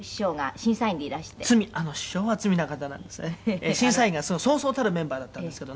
「審査員がそうそうたるメンバーだったんですけどね